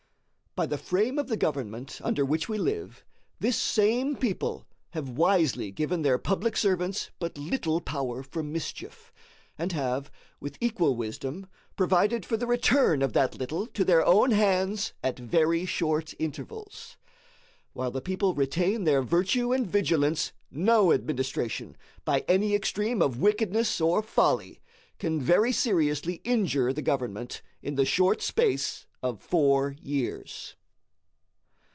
By the frame of the government under which we live, this same people have wisely given their public servants but little power for mischief; and have, with equal wisdom, provided for the return of that little to their own hands at very short intervals. While the people retain their virtue and vigilance, no administration, by any extreme of wickedness or folly, can very seriously injure the government in the short space of four years.